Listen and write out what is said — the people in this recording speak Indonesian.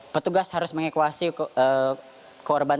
petugas harus mengikuasi korban